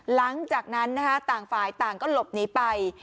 หลังจากนั้นต่างฝ่ายต่างก็หลบหนีไป